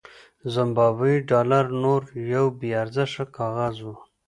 زیمبابويي ډالر نور یو بې ارزښته کاغذ و.